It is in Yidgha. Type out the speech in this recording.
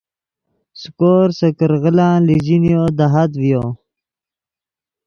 سیکور سے کرغیلان لیجینیو دہات ڤیو